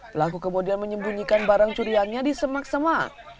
pelaku kemudian menyembunyikan barang curiannya di semak semak